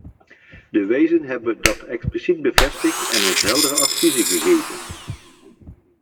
De wijzen hebben dat expliciet bevestigd en ons heldere adviezen gegeven.